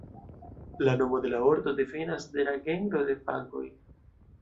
La nomo de la ordo devenas de la genro de Fagoj.